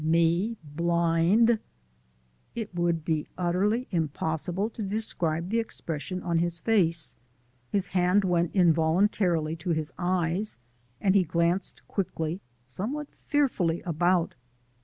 "Me blind!" It would be utterly impossible to describe the expression on his face. His hand went involuntarily to his eyes, and he glanced quickly, somewhat fearfully, about.